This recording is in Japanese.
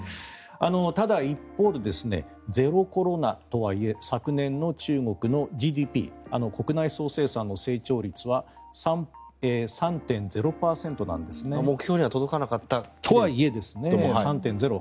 ただ一方でゼロコロナとはいえ昨年の中国のＧＤＰ・国内総生産の成長率は３．０％なんですね。とはいえ３．０％。